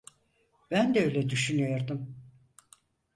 Ben de öyle düşünüyordum.